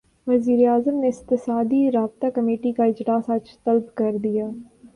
وزیراعظم نے اقتصادی رابطہ کمیٹی کا اجلاس اج طلب کرلیا